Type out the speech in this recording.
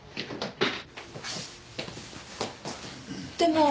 でも